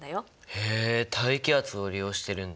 へえ大気圧を利用してるんだ。